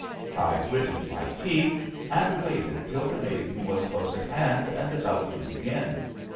I gritted my teeth, and waited till the maiden was close at hand and about to begin.